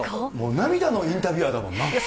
涙のインタビュアーですもん